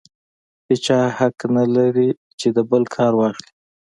هېچا حق نه لري د بل کار واخلي.